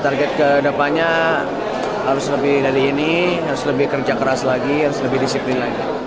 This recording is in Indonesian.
target ke depannya harus lebih dari ini harus lebih kerja keras lagi harus lebih disiplin lagi